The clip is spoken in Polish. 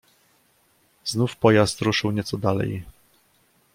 "Znów pojazd ruszył nieco dalej."